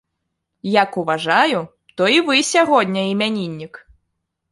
Як уважаю, то і вы сягоння імяніннік.